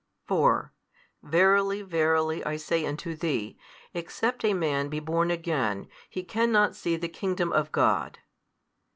4 Verily verily I say unto thee, Except a man be born again, he cannot see the kingdom of God.